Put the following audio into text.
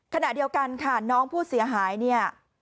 ขณะเดียวกันค่ะน้องผู้เสียหายเนี่ย